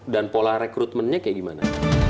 dan pola rekrutmennya kayak gimana